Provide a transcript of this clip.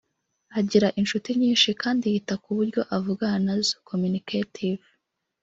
agira inshuti nyinshi kandi yita ku buryo avugana nazo (communicative)